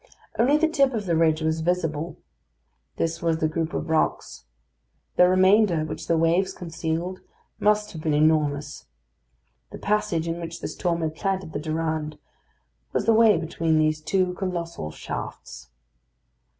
Only the tip of the ridge was visible; this was the group of rocks. The remainder, which the waves concealed, must have been enormous. The passage in which the storm had planted the Durande was the way between these two colossal shafts.